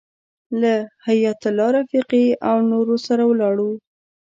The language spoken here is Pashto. له حیایت الله رفیقي او نورو سره ولاړو.